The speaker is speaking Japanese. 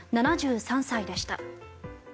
７３歳でした。